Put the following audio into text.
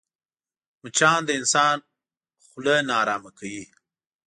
مچان د انسان خوله ناارامه کوي